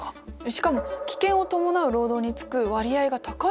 しかも危険を伴う労働につく割合が高いんです。